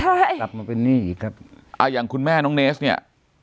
ใช่กลับมาเป็นหนี้อีกครับอ่าอย่างคุณแม่น้องเนสเนี่ย